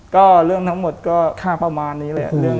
ก็เรื่องทั้งหมดก็ค่าประมาณนี้แหละ